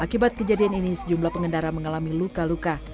akibat kejadian ini sejumlah pengendara mengalami luka luka